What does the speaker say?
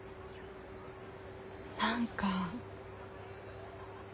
何か。